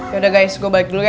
yaudah guys gue balik dulu ya